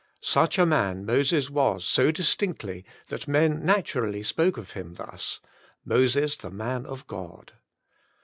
Such a man JMoses was so distinctly that men naturally spoke of him thus — Moses, the man of God